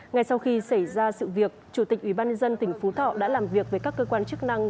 ngay sau khi xảy ra sự việc chủ tịch ubnd tỉnh phú thọ đã làm việc với các cơ quan chức năng